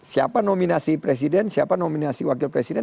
siapa nominasi presiden siapa nominasi wakil presiden